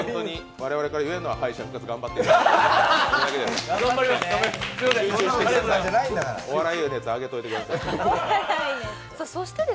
我々から言えるのは、敗者復活、頑張ってください。